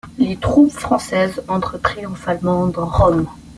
Les troupes françaises entrent triomphalement dans Rome.